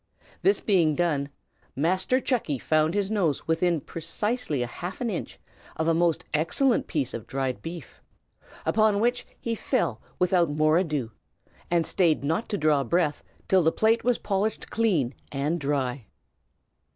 This being done, Master Chucky found his nose within precisely half an inch of a most excellent piece of dried beef, upon which he fell without more ado, and stayed not to draw breath till the plate was polished clean and dry.